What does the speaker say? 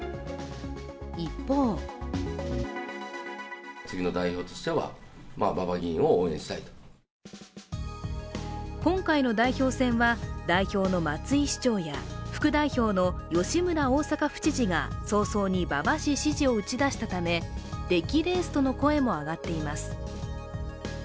一方今回の代表選は代表の松井市長や副代表の吉村大阪府知事が早々に馬場氏支持を打ち出したため出来レースとの声も上がっています。